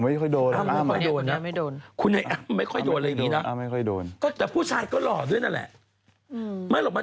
แต่พวกไม่ค่อยโดนพวกมันก็หล่อด้วย